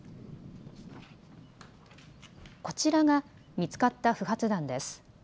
こちらが見つかった不発弾です。